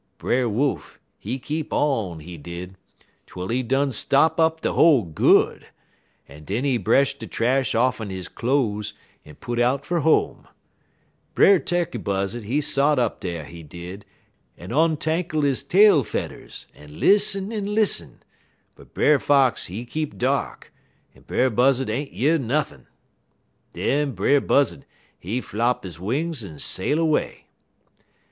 "Brer Wolf, he keep on, he did, twel he done stop up de hole good, en den he bresh de trash off'n his cloze, en put out fer home. Brer Tukky Buzzud, he sot up dar, he did, en ontankle his tail fedders, en lissen en lissen, but Brer Fox, he keep dark, en Brer Buzzud ain't year nuthin'. Den Brer Buzzud, he flop he wings en sail away.